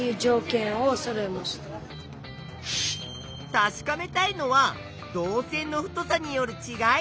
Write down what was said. たしかめたいのは導線の太さによるちがい。